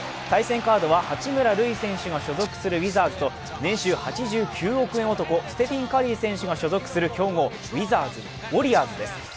対戦カードは八村塁選手が所属するウィザーズと年収８９億円男、ステフィン・カリー選手が所属するウィザーズ、ウォリアーズです。